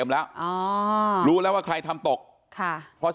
อันนี้แม่งอียางเนี่ย